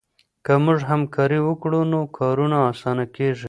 که موږ همکاري وکړو نو کارونه اسانه کېږي.